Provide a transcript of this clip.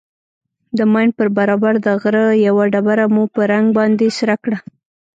د ماين پر برابر د غره يوه ډبره مو په رنگ باندې سره کړه.